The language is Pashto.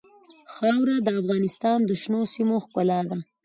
خاوره د افغانستان د شنو سیمو ښکلا ده.